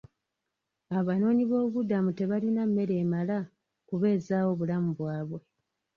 Abanoonyi b'obubuddamu tebalina mmere emala kubeezawo bulamu bwabwe.